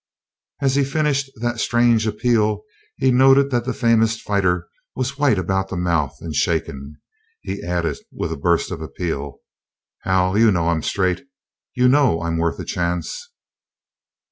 As he finished that strange appeal he noted that the famous fighter was white about the mouth and shaken. He added with a burst of appeal: "Hal, you know I'm straight. You know I'm worth a chance."